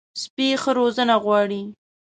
سپي ښه روزنه غواړي.